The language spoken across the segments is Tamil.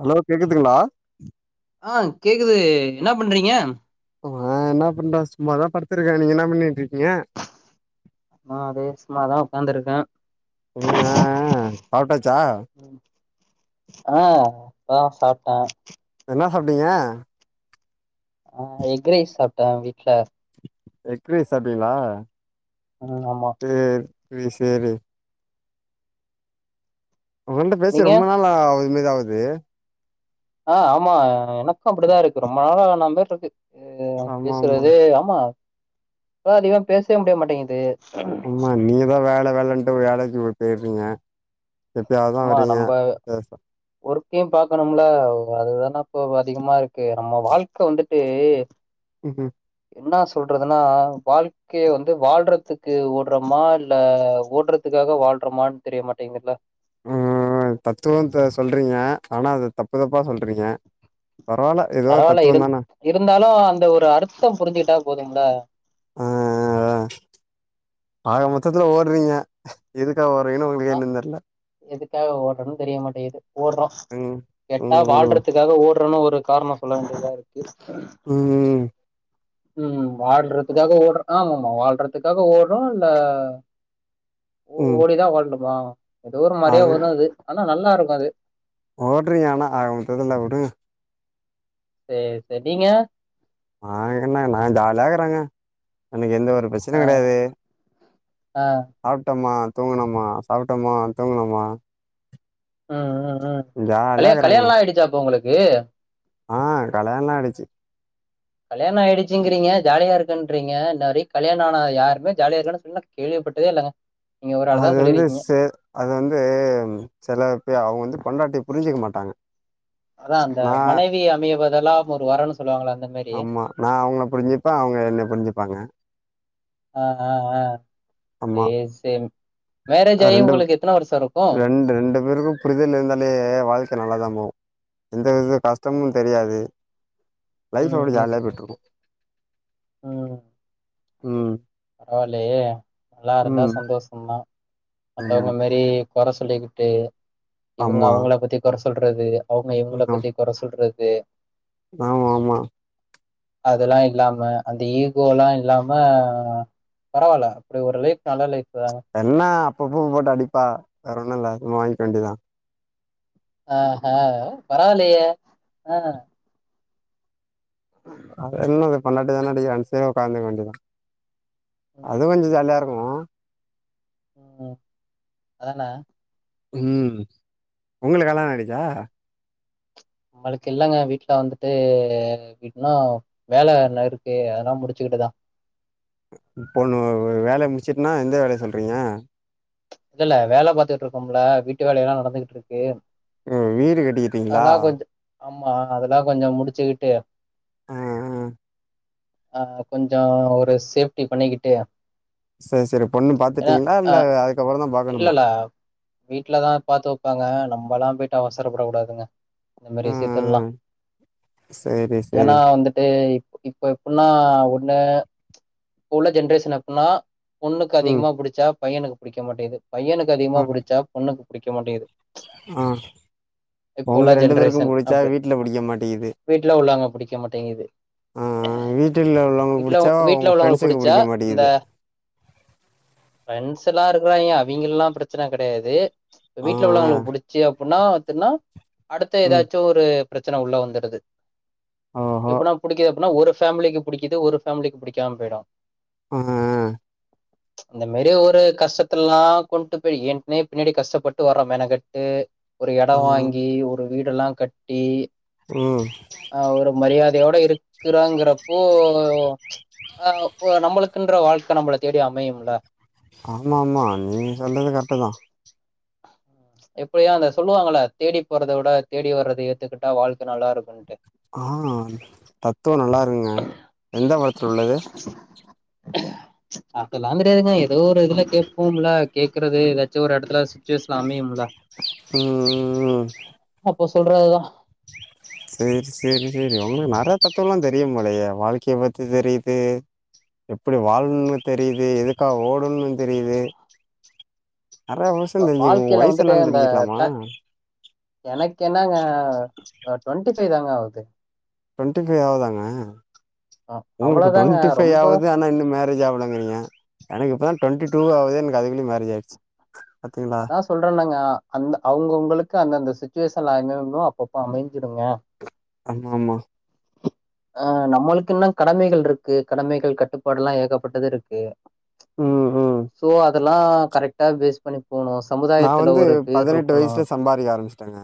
ஹலோ கேக்குதுங்ளா ஆ கேக்குது என்னா பண்றீங்க ஆ நா என்னா பண்றே சும்மா தா படுத்திருக்கே நீங்க என்ன பண்ணிட்ருக்கீங்க ஆ அதே சும்மாதா உக்காந்துருக்கே ம் ஆ ஆ ஆ சாப்டாச்சா ஆ இப்பதா சாப்டே என்னா சாப்ட்டீங்க ஆ எக்ரைஸ் சாப்ட்டே வீட்ல எக் ரைஸ் சாப்ட்டிங்ளா ம் ஆமா செரி சேரி உங்கள்ட்ட பேசி நீங்க ரொம்ப நாளா அவுத மேரி ஆவுது ஆ ஆமா எனக்கு அப்டிதாருக்கு ரொம்ப நாளா ஆன மேர்ருக்கு ஆமா ஆமா பேசுறதே ஆமா இப்பதா அதிகமா பேசவே முடியமாட்டேங்குது ஆமா நீங்கதா வேல வேலன்ட்டு வேலக்கி போயிறீங்க எப்பயாவதுதா ஆமா வரீங்க நம்ப பேச ஒர்க்கயு பாக்கணும்ல அதுதானா இப்போ அதிகமா இருக் கு நம்ப வாழ்க்க வந்துட்டு ம்ஹூ என்னா சொல்றதுனா வாழ் கே வந்து வாழ்றதுக்கு ஓடுறமா இல்ல ஓடுறதுக்காக வாழ்றமானு தெரியமாட்டேங்குது இல்ல ம் தத்துவத்த சொல்றீங்க ஆனா அத தப்பு தப்பா சொல்றீங்க பரவால்ல ஏதோ பரவால்ல இரு தத்துவந்தான இருந்தாலு அந்த ஒரு அர்த்த புரிஞ்சுகிட்டா போதும்ள ஆ ஆ ஆ ஆக மொத்தத்துல ஓடுறீங்க எதுக்காக ஓரிங்கனு அங்கயே அவ்ளோதா நின்னரல எதுக்காக ஓட்றனு தெரிய மாட்டேது ஓட்றோ ம் கேட்டா ம் வாழ்றதுக்காக ஓட்றோனு ஒரு காரணோ சொல்ல வேண்டிதா இருக்கு ம் ம் ம் வாழ்றதுகாக ஓடுறோ ஆமா ஆமா வாழ்றதுகாக ஓடுறோ இல்ல ஓ ம் ஓடிதா வாழனுமா ஏதோ ஒரு மாரியா வரு அது ஆனா நல்லா இருக்காது ஓடுரிங்க ஆனா ஆகமொத்ததுல வுடுங்க செர் செரி நீங்க ஆ என்ன நா ஜாலியாயிகுறேங்க எனக்கு எந்த ஒரு பிரச்ச ஆ ன்னயு கெடயாது ஆ சாப்ட்டோம்மா தூங்குனோம்மா சாப்ட்டோமா தூங்குனோமா ம் ம் ம் ஜாலியா கல்யா இருக்கறேங்க நா கல்யாணலா ஆயிடுச்சா ப்ரோ உங்களுக்கு ஆ கல்யாணலா ஆயிடுச்சு கல்யாண ஆயிடுச்சிங்கிறீங்க ஜாலியா இருக்கேன்றறீங்க இந்த மாரி கல்யாண ஆன யாருமே ஜாலியா இருக்கேன்னு சொன்ன கேள்விப்பட்டதே இல்லங்க நீங்க ஒரு ஆள் அது தா வந்து சொல்லிருக்கீங்க செ அது வந்து சில பே அவுங்க வந்து பொண்டாட்டிய புரிஞ்சிக்க மாட்டாங்க அதா அந்த நா மனைவி அமைவதெல்லா ஒரு வரன்னு சொல்லுவாங்கள அந்த மாரி ஆமா நா அவுங்கள புரிஞ்சிக்ப்பே அவுங்க என்ன புரிஞ்சுப்பாங்க ஆ ஆ ஆ ஆமா சேரி சேரி மேரேஜ் ஆகி உங்களுக்கு எத்தன வருஷோ இருக்கு இந்த ரெண்டு பேருக்கு புரிதல் இருந்தாலே வாழ்க்க நல்லாதா போவு எந்த வித கஷ்டமு ஆமா தெரியாது லைஃப் ம் அப்டி ம் ஜாலியா போய்ட்டுருக்கு ம் பரவாயில்லயே நல்லாருந்தா ம் சந்தோஷோந்தான் ம் மத்தவங் மாரி கொற சொல்லிக்கிட்டு இவுங்க ஆமா அவுங்கள பத்தி கொற சொல்றது அவுங்க இவுங்கள ம் பத்தி கொற சொல்றது ஆமா ஆமா அதெல்லா இல்லாம அந்த ஈகோலா இல்லாம பரவாயில்ல அப்டி ஒரு லைஃப் நல்ல லைஃபு தாங்க என்ன அப்பப்ப போட்டு அடிப்பா வேற ஒன்னு இல்ல வாங்கிக்க வேண்டியதா ஆ ஹா பரவாயில்லயே ஆ அ என்னது பொண்டாட்டி தான அடிக்கிறானு [unintelligible] உக்காந்துர வேண்டிதா ம் அதுவு கொஞ்சோ ஜாலியா இருக்கு ஓ ம் அதான ம் உங்களுக்கு கல்யாண ஆய்டுச்சா நம்மளுக்கு இல்லங்க வீட்டுல வந்துட்டு இன்னோ வேல இன்னு இருக்கு அதெல்லா முடிச்சுக்கிட்டுதா இப்போ வேலய முடிச்சுட்டுன்னா எந்த வேலய சொல்றீங்க இல்லல்ல வேல பாத்துட்டுருக்கோம்ல வீட்டு வேலயெல்லா நடந்துகிட்ருக்கு ஓ வீடு கட்டிட்டுயிருக்கிங்ளா ஆமா அதெல்லா கொஞ்சோ முடிச்சுக்கிட்டு அ அ ஆ கொஞ்சோ ஒரு சேஃப்டி பண்ணிக்கிட்டு செர் சேரி பொண்ணு ஏன்னா பாத்துட்டீங்களா ஆ இல்ல அது இல்லல்ல வீட்லதா பாத்து வப்பாங்க நம்மல்லா போய்ட்டு அவசரப்படக் கூடாதுங்க அது ஆ மாரி விஷயத்தெல்லா ஆ சரி ஏனா சரி வந்துட்டு இப்ப எப்டின்னா ஒண்ணு இப்ப உள்ள ஜென்ரேஷன் எப்டினா பொண்ணுக்கு ம் அதிகமா புடிச்சா பையனுக்கு புடிக்க மாட்டேது பையனுக்கு அதிகமா புடிச்சா பொண்ணுக்கு புடிக்க மாட்டேங்குது ம் இப்ப உள்ள அவுங்க ரெண்டு பேருக்கு ஜென்ரேஷன் புடிச்சா அப்டி வீட்டுல புடிக்க மாட்டேங்குது வீட்ல உள்ளவங்க புடிக்க மாட்டேங்குது ஆ வீட்டுல உள்ளவங்களு வீட்ல புடிச்சா வீட்ல உங்க உள்ளவங்களுக்கு ஃப்ரெண்ட்ஸுக்கு புடிச்சா புடிக்க இந்த மாட்டேகிது ஃப்ரெண்ட்ஸ் எல்லா இருக்குறாங்க அவிங்கல்லா பிரச்சன கெடயாது இப்ப ஆ, வீட்டுல ஆ. உள்ளவங்களுக்கு புடிச்சு அப்ட்ன்னா எதுன்னா அடுத்து ம். ஏதாச்சு ஒரு பிரச்சன உள்ள வந்துடுது ஓஹோ! எப்டினா புடிக்க னா ஒரு ஃபேமிலிக்கு புடிக்குது ஒரு ஃபேமிலிக்கு புடிக்காம போய்டு ஓ இந்த மாரி ஒரு கஷ்டத் த்லா கொண்டு பேய் எங்னே பின்னாடி கஷ்டப்பட்டு வர்றோ மெனக்கட்டு ஒரு எடம் ம், வாங்கி ஒ ரு வீடெல்லா கட்டி ம் ஆ ஒரு மரியாதையோட இருக்குறாங்கிறப்போ ஆ அப்போ நம்மளுக்குன்ற வாழ்க்கை நம்மளை தேடி அமையுமுல்ல ஆமா ஆமா நீங் சொல்றது கர்ட்டு தா எப்பயு அந்த சொல்லுவாங்கள தேடி போறதை விட தேடி வர்றத ஏத்துக்கிட்டா வாழ்க்க நல்லா இருக்குன்ட்டு ஆ தத்துவ நல்லா இருக்குங்க எந்த படத்தில உள்ளது அதெல்லா கெட்யாதுங்க ஏதோ ஒரு இதுல கேப்போம்ல கே க்கிறது ஏதாச்சு ஒரு எடத்துல சுட்டுவேஷன் அமையும் ம் ம் ம் அப்போ சொல்றதுதா செரி செரி செரி உங்களுக்கு நெறைய தத்துவல்லா தெரியும்போலையே வாழ்க்கையை பத்தி தெரியிது எப்டி வாழணுன்னு தெரியிது எதுக்காக ஓடணுன்னு தெரியிது நெற்ய விஷ்யம் தெரிஞ்சிகிது உங்க வாழ்க்கையில வயசு வந்துட்டு என்னன்னு அந்த தெரிஞ்சுக்கலாமா எனக்கு என்னாங்க ட்வெண்ட்டி ஃபைவ் தாங்க ஆவுது ட்வெண்ட்டி ஃபைவ் ஆவுதாங்க உங்ளுக்கு அவ்வளவுதாங்க ட்வெண்ட்டி ஃபைவ் ரொம்ப ஆவுது ஆனா இன்னு மேரேஜ் ஆவலங்கிறீங்க எனக்கு இப்பதா ட்வெண்டி டூவு‌ ஆவுது எனக்கு அதுகுலே மேரேஜ் ஆயிச்சு அதா சொல்றல்லங்க அந்த அவங்கவுங்களுக்கு அந்த அந்த சுட்டுவேஷன்ல [unintelligible] அப்பப்போ அமைஞ்சிடுங்க ஆமா ஆமா ஆ நம்மளுக் இன்னு கடமைகள் இருக்கு கடமைகள் கட்டுப்பாடுல்லா ஏகப்பட்டது இருக்கு ம் ம் சோ அதெல்லா கரெக்டா பேஸ் பண்ணி போனு ஸ் நா வந்து பதினெட்டு வயசுல சம்பாரிக்க ஆரம்பிச்சுட்டங்க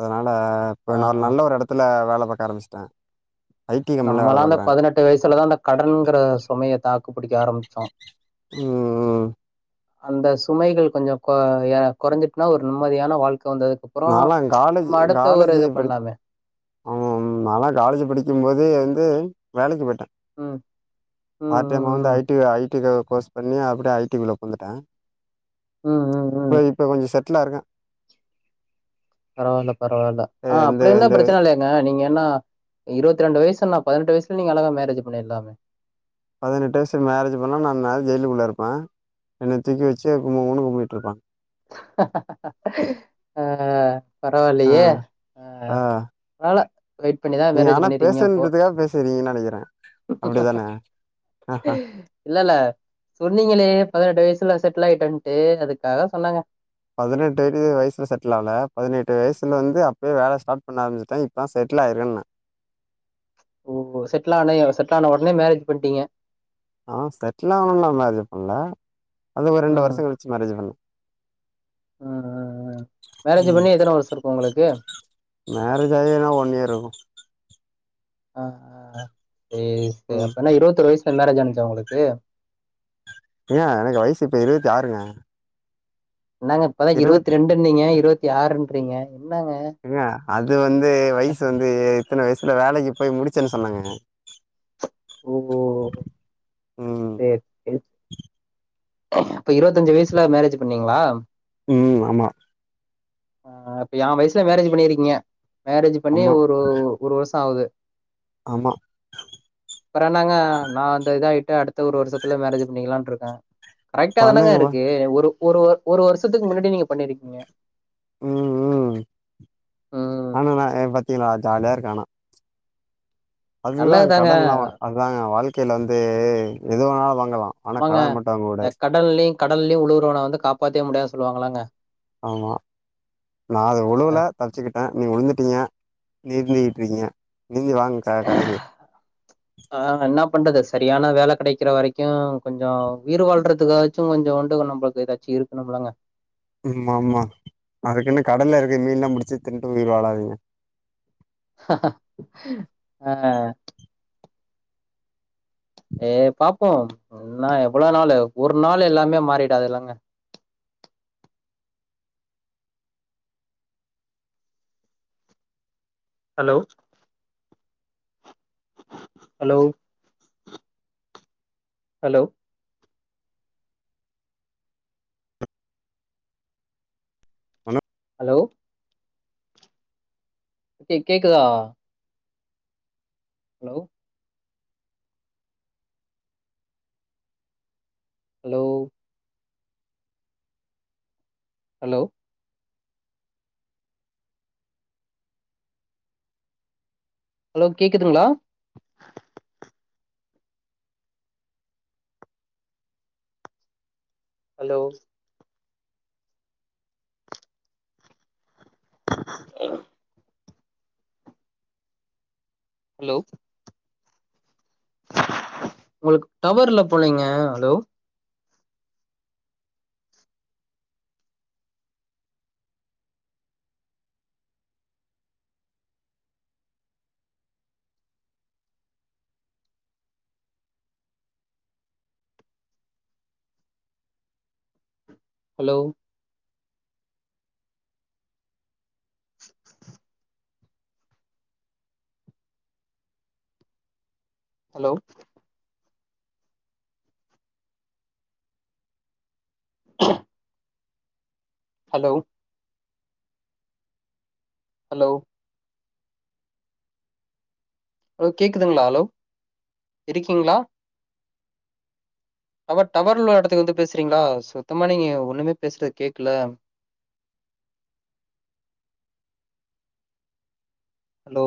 அதனால ஆ இப்ப ந நல்ல ஒரு எடத்துல வேல பார்க்க ஆரம்பிச்சுட்டே நம்மலா அந்த பதினெட்டு வயசுலதா அந்த கடன்ங்கிற சுமைய தாக்கு பிடிக்க ஆரம்பிச்சோ ம் [inaudible] அந்த சுமைகள் கொஞ்ச கொ எனக் குறைஞ்சிட்டுனா ஒரு நிம்மதியான வாழ்க்க வந்துக் அப்புறோ நான்லாம் காலேஜ் நம்ம அடுத்த ஒரு இத பண்லாமே நால்லா காலேஜ் படிக்கும் போதே வந்து வேலைக்கு போயிட்டே ம் ம் நா வந்து ஐ ம், டி ஐ டி கோர்ஸ் பண்ணி அப்டியே ஐ டி குள்ள பூந்துட்டே ம், ம், ம். இப்ப இப்ப கொஞ்சோ செட்லா ருக்கே பரவால்ல பரவால்ல ஆ எந்த அப்டி இருந்தா எந்த பிரச்சன இல்லயே நீங்க என்ன இருவத்தி ரெண்டு வயசுனா பதினெட்டு வயசுலே நீங்க அழகா மேரேஜ் பண்ணிர்லாமே பதினெட்டு வயசு மேரேஜ் பண்ணா நா இந்நேரோ ஜெயிலுக்குள்ள இருப்பே என்ன தூக்கி வெச்சு கும்கும்ணு கும்மிட்டுருபா ஆ ஆ, பரவால்லையே ஆ பரவால்ல வெயிட் பண்ணிதா நீங்க மேரேஜ் ஆனா பண்ணிடிங்க அப்போ பேசணுன்றதுக்காக பேசுறீங்கன்னு நெனைக்கிறேன். அப்படிதானே? உம் இல்லல்ல சொன்னீங்களே பதினெட்டு வயசுல செட்டில் ஆயிட்டன்ட்டு அதுக்காக சொன்னங்க பதினெட்டு [unintelligible] வயசில செட்டில் ஆவல பதினெட்டு வயிசில வந்து அப்பயே வேலை ஸ்டார்ட் பண்ண ஆரம்பிச்சிட்ட இப்பதா செட்டில் ஆயிருக்கன்னே ஓ செட்டில் ஆன செட்டில் ஆன வொட்னே மேரேஜ் பண்ட்டீங்க ஆ செட்டில் ஆனவொன்னே மேரேஜ் பண்ணல அது ஒரு ரெண்டு ம் வர்ஷோ கழிச்சி மேரேஜ் பண்ண அ அ அ மேரேஜ் ம். பண்ணி எத்தன வர்ஷோ இருக்கு உங்களுக்கு மேரேஜ் ஆயி என்னா ஒன் இயர் ருக்கு ஆ அ அ செரி செரி ம். அப்பனா இருவத்தொரு வயசுல மேரேஜ் ஆனுச்சா உங்களுக்கு ஏ எனக்கு வயசு இப்ப இருவத்தி ஆறுங்க என்னங்க இப்பதா இருவத்தி ரெண்டுன்னிங்க இருவத்தி ஆறுன்றீங்க என்னங்க ஏங்க அது வந்து வயசு வந்து இத்தன வயசுல வேலைக்கு போய் முடிச்சேன்னு சொன்னாகங்க ஓ ஒ ம் இப்ப இருவத்தஞ்சு வயசுல மேரேஜ் பண்ணீங்களா ம் ஆமா ஆ இப்ப எ வயசுல மேரேஜ் பண்ணிருக்கீங்க மேரேஜ் பண்ணி ஆமா. ஒரு ஒரு வருசோ ஆவுது ஆமா அப்றோ என்னாங்க நா அந்த இதாயிட்டு அடுத்த ஒரு வருஷத்துல மேரேஜ் பண்ணிக்கலான்ருக்க கரைட்டா தானங்க பண்ணுங்கப்பா இருக்கு ஒரு ஒரு ஒரு வருஷத்துக்கு முன்னாடி நீங்க பண்ணிருக்கீங்க ம் ம் ம் ஆனா நா பாத்திங்களா ஜாலியா இருக்க அனா அதுக்குதா நல்லதுதாங்க கடன்ல்லா அதுதாங்க வாழ்க்கையில ந்து எதுவேணா வாங்கலா ஆனா ஆமாங்க கடன் மட்டு வாங்க கூடாது இந்த கடல்லியு கடன்லியு உழுவுறவன வந்து காப்பாத்தே முடியாதுனு சொல்வாங்களங்க ஆமா நா அது ஆ உழுல தப்பிச்சுக்கிட்ட நீங்க உழுந்துட்டீங்க நீந்திட்டு இருக்கீங்க நீந்தி வாங்க க கரைக்கு ஆ என்ன பண்றது சரியான வேல கெடைக்கிற வரைக்கு கொஞ்சோ உயிர் வாழ்றது அதுக்காச்சோ கொஞ்சோண்டு நம்மளுக்கு லக்கி இருக்கணும்லங்க ஆமா ஆமா அதுக்குனு கடல்ல இருக்க மீன்ல்லா முடிச்சு தின்னுட்டு உயிர் வாழாதிங்க ஆ ஏ பாப்போ என்னா எவ்ளோ நாளு ஒரு நாள் எல்லாமே மாறிடாதிலங்க ஹலோ ஹலோ ஹலோ ஹலோ கே கேக்குதா ஹலோ ஹலோ ஹலோ ஹலோ கேட்குதுங்களா ஹலோ ஹலோ ஹலோ உங்களுக்கு டவர் இல்ல போலேங்க hello hello hello [inaudible] hello hello hello கேட்குதுங்களா ஹலோ இருக்கீங்களா டவ டவர் உள்ள இடத்துக்கு வந்து பேசுறீங்களா சுத்தமா நீங்க ஒண்ணுமே பேசுறது கேக்குல ஹலோ